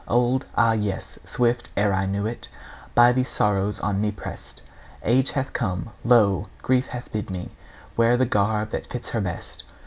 Old? Ah yes; swift, ere I knew it, By these sorrows on me pressed Age hath come; lo, Grief hath bid me Wear the garb that fits her best.